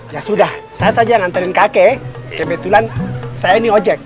ya sudah saya saja nganterin kakek kebetulan saya ini ojek